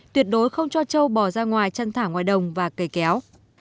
tuyệt đối không cho châu bò ra ngoài chăn thả ngoài đồng và cây kéo